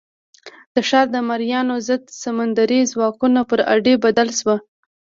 دا ښار د مریانو ضد سمندري ځواکونو پر اډې بدل شو.